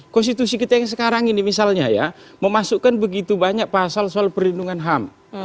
konstitusi kita yang sekarang ini misalnya ya memasukkan begitu banyak pasal soal perlindungan ham